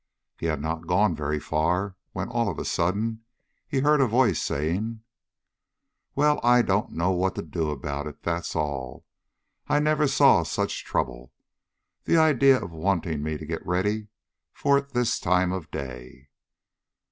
He had not gone very far before when, all of a sudden, he heard a voice saying: "Well, I don't know what to do about it, that's all! I never saw such trouble! The idea of wanting me to get ready for it this time of day!"